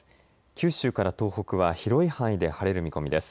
九州から東北は広い範囲で晴れる見込みです。